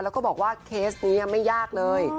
แล้วก็บอกว่าเคสนี้ไม่ยากเลย